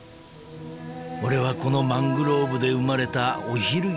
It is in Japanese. ［俺はこのマングローブで生まれたオヒルギの主だ］